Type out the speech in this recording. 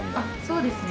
そうですね。